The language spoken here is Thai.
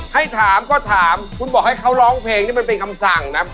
ให้ถามก็ถามคุณบอกให้เขาร้องเพลงที่มันเป็นคำสั่งนะ